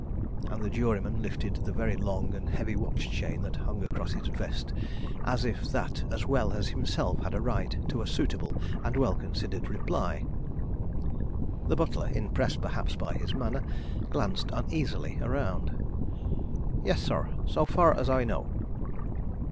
And the juryman lifted the very long and heavy watch chain that hung across his vest as if that as well as himself had a right to a suitable and well considered reply. The butler, impressed perhaps by his manner, glanced uneasily around. "Yes, sir, so far as I know."